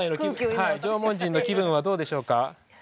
はい縄文人の気分はどうでしょうか？